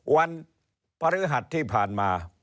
วันพฤหัสที่ผ่านมา